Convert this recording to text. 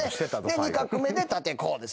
で２画目で縦こうですね。